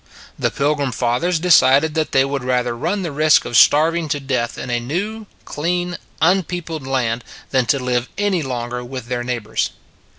The Pilgrim Fathers decided that they would rather run the risk of starving to death in a new, clean, unpeopled land than to live any longer with their neighbors.